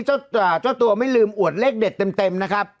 เจ้าตัวไม่ลืมอวดเลขเด็ดเต็มนะครับ